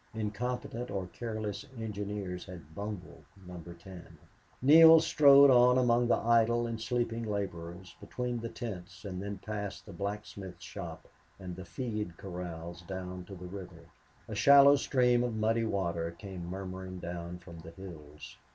Incompetent or careless engineers had bungled Number Ten. Neale strode on among the idle and sleeping laborers, between the tents, and then past the blacksmith's shop and the feed corrals down to the river. A shallow stream of muddy water came murmuring down from the hills.